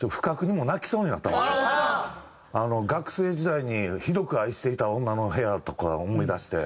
学生時代にひどく愛していた女の部屋とか思い出して。